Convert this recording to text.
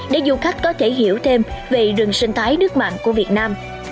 để du khách có thể hiểu thêm về rừng sinh thái nước mặn của việt nam